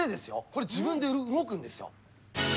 これ自分で動くんですよ。